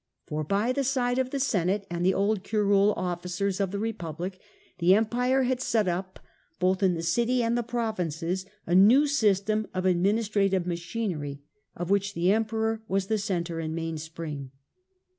For by the side of the Senate and the old curule officers of the Republic, the Empire had set up, both in the city and the provinces, a new system of ad ministrative machinery, of which the Emperor was the centre and mainspring.